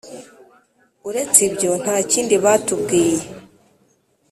Uretse ibyo ntakindi batubwiye.